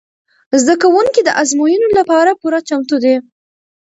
زده کوونکي د ازموینو لپاره پوره چمتو دي.